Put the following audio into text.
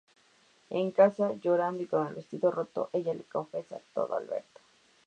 En casa, llorando y con el vestido roto, ella le confiesa todo a Alberto.